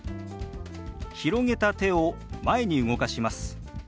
広げた手を前に動かします。